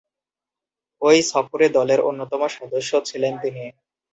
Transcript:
ঐ সফরে দলের অন্যতম সদস্য ছিলেন তিনি।